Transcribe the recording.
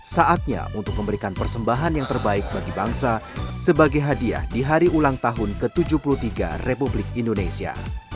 saatnya untuk memberikan persembahan yang terbaik bagi bangsa sebagai hadiah di hari ulang tahun ke tujuh puluh tiga republik indonesia